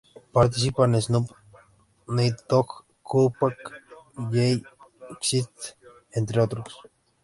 Participan Snoop, Nate Dogg, Tupac, Jay-Z y Xzibit entre otros.